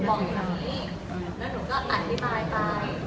ก็คือ๒ล้าน๒ค่ะ